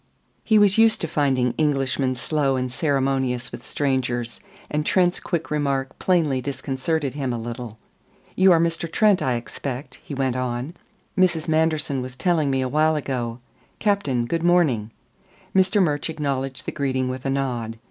He was used to finding Englishmen slow and ceremonious with strangers, and Trent's quick remark plainly disconcerted him a little. "You are Mr. Trent, I expect," he went on. "Mrs. Manderson was telling me a while ago. Captain, good morning." Mr. Murch acknowledged the greeting with a nod.